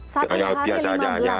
satu hari lima belas